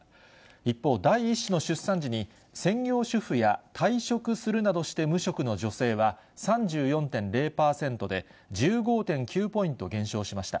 一方、第１子の出産時に専業主婦や退職するなどして無職の女性は３４．０％で、１５．９ポイント減少しました。